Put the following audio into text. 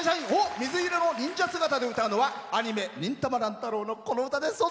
水色の忍者姿で歌うのはアニメ「忍たま乱太郎」のこの歌です。